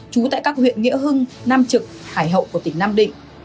trú tại các huyện nghĩa hưng nam trực hải hậu của tỉnh nam định